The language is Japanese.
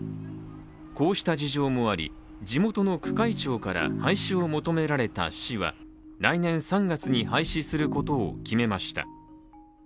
こうした事情もあり地元の区会長から廃止を求められた市は来年３月に廃止することを決めました。